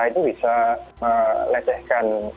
itu bisa melecehkan